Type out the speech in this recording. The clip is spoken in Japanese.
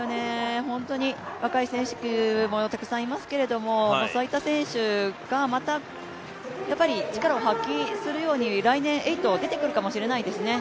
若い選手もたくさんいますけれども、そういった選手がまた力を発揮するように来年、８、出てくるかもしれないですね。